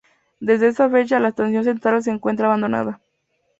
Desde esa fecha la Estación Central se encuentra abandonada.